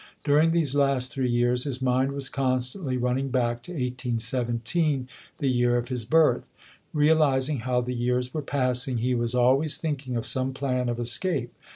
During these last three years his mind was constantly running back to 1817, the year of his birth. Realizing how the years were passing, he was always thinking of some plan of escape.